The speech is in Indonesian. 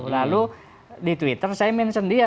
lalu di twitter saya mention dia